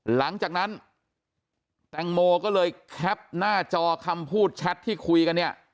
หลังจากนั้นแตงโมก็เลยแคปหน้าจอคำพูดแชทที่คุยกันเนี่ย